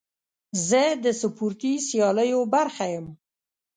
زه د سپورتي سیالیو برخه یم.